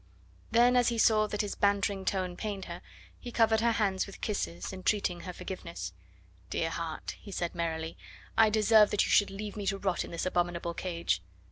Then as he saw that his bantering tone pained her, he covered her hands with kisses, entreating her forgiveness. "Dear heart," he said merrily, "I deserve that you should leave me to rot in this abominable cage.